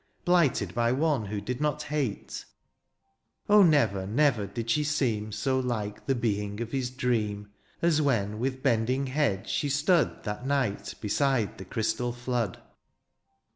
Blighted by one who did not hate. Oh never, never, did she seem So like the being of his dream As when, with bending head, she stood That night beside the crystal flood.